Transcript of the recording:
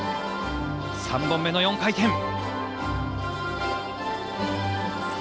３本目の４回転。